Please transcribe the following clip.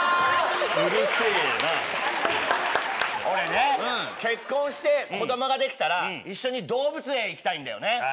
俺ね結婚して子供ができたら一緒に動物園行きたいんだよね。